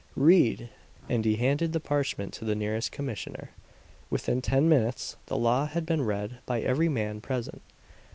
Read!" and he handed the parchment to the nearest commissioner. Within ten minutes the law had been read by every man present.